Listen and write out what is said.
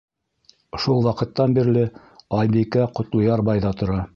Шул ваҡыттан бирле Айбикә Ҡотлояр байҙа тора.